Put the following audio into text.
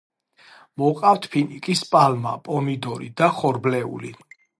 მოყავთ ფინიკის პალმა, პომიდორი და ხორბლეული.